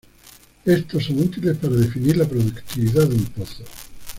Estos son útiles para definir la productividad de un pozo.